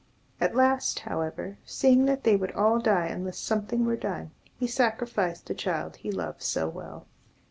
At last, however, seeing that they would all die unless something were done, he sacrificed the child he loved so well.